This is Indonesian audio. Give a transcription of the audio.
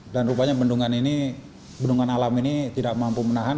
dan rupanya bendungan ini bendungan alam ini tidak mampu menahan